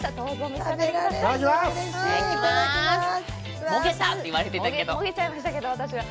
もげちゃいましたけど、私は。